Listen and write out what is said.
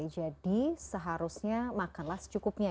jadi seharusnya makanlah secukupnya